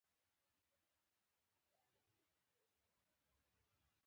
نورو منابعو وسلې ترلاسه کولې.